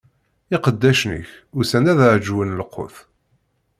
Iqeddacen-ik usan-d ad aǧwen lqut.